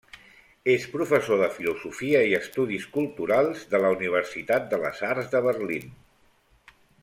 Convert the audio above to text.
És professor de Filosofia i Estudis culturals de la Universitat de les Arts de Berlín.